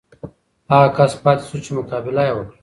هغه کس پاتې شو چې مقابله یې وکړه.